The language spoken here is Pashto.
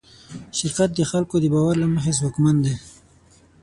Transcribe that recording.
شرکت د خلکو د باور له مخې ځواکمن دی.